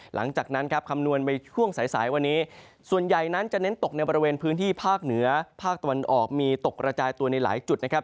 หลังจากนั้นครับคำนวณในช่วงสายสายวันนี้ส่วนใหญ่นั้นจะเน้นตกในบริเวณพื้นที่ภาคเหนือภาคตะวันออกมีตกกระจายตัวในหลายจุดนะครับ